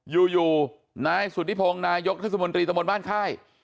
อยู่นายสุธิพงศ์นายกเทศบรรณีตำรวจบ้านค่าย